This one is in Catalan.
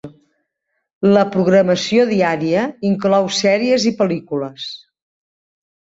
La programació diària inclou sèries i pel·lícules.